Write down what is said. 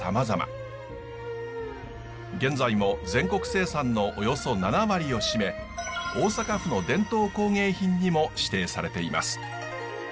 現在も全国生産のおよそ７割を占め大阪府の伝統工芸品にも指定されています。